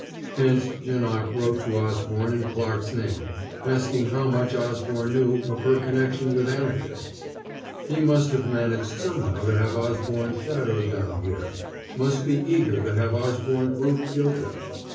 Hence Janoc wrote to Osborne in Clarke's name, asking how much Osborne knew of her connection with Anarchists. He must have managed somehow to have Osborne shadowed down here must be eager to have Osborne proved guilty.